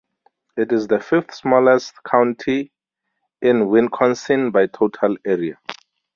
It is the fifth-smallest county in Wisconsin by total area.